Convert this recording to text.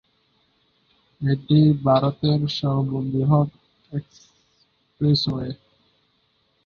এটি ভারতের সর্ববৃহৎ এক্সপ্রেসওয়ে।